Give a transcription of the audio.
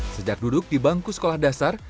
sejak duduk di bangku sekolah dasar